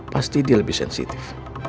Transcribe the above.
pasti dia lebih sensitif